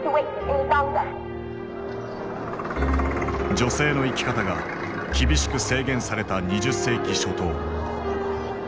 女性の生き方が厳しく制限された２０世紀初頭。